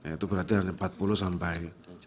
itu berarti dari empat puluh sampai